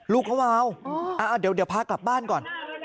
ลูกเขาวาวเดี๋ยวพากลับบ้านก่อน